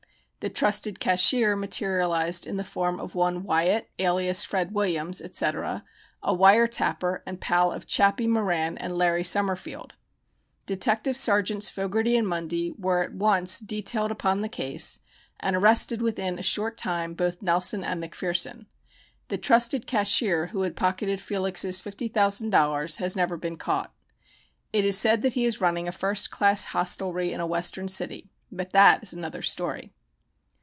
The "trusted cashier" materialized in the form of one Wyatt, alias, Fred Williams, etc., a "wire tapper" and pal of "Chappie" Moran and "Larry" Summerfield. Detective Sergeants Fogarty and Mundy were at once detailed upon the case and arrested within a short time both Nelson and McPherson. The "trusted cashier" who had pocketed Felix's $50,000 has never been caught. It is said that he is running a first class hostelry in a Western city. But that is another story.